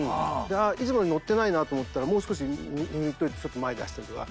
あっいつもより乗ってないなと思ったらもう少し握っといてちょっと前に出したりとか。